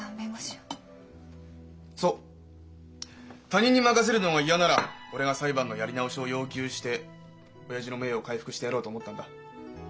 他人に任せるのが嫌なら俺が裁判のやり直しを要求して親父の名誉を回復してやろうと思ったんだ。